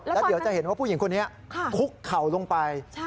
แล้วเดี๋ยวจะเห็นว่าผู้หญิงคนนี้คุกเข่าลงไป